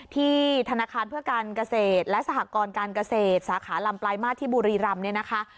ที่ธนาคารเพื่อการเกษตรและสหกรการเกษตรสาขาลำปลายมาที่บุรีรำ